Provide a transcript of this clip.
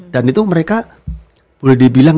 itu mereka boleh dibilang